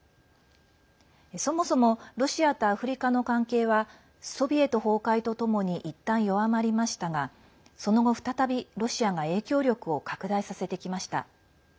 そもそもロシアとアフリカの関係はソビエト崩壊とともにいったん弱まりましたがその後、再びロシアが影響力を拡大させてきました。